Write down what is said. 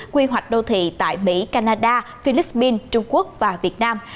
quy hoạch đô thị tại mỹ canada philippines trung quốc và việt nam